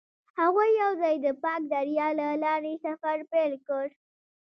هغوی یوځای د پاک دریا له لارې سفر پیل کړ.